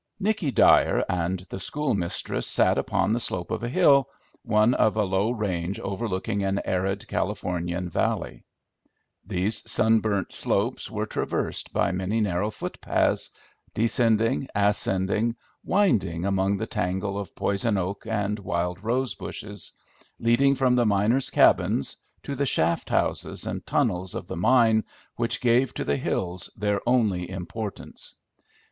Nicky Dyer and the schoolmistress sat upon the slope of a hill, one of a low range overlooking an arid Californian valley. These sunburnt slopes were traversed by many narrow footpaths, descending, ascending, winding among the tangle of poison oak and wild rose bushes, leading from the miners' cabins to the shaft houses and tunnels of the mine which gave to the hills their only importance.